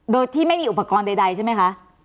โดยที่ไม่มีอุปกรณ์ใดใช่ไหมคะ